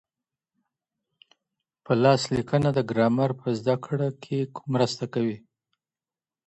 په لاس لیکلنه د ګرامر په زده کړه کي مرسته کوي.